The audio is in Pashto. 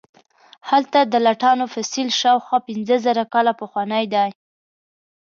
هلته د لټانو فسیل شاوخوا پنځه زره کاله پخوانی دی.